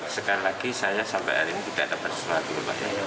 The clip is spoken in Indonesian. sekali lagi saya sampai hari ini tidak dapat sesuatu